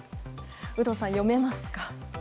有働さん、読めますか？